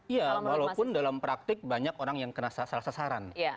iya walaupun dalam praktik banyak orang yang kena salah sasaran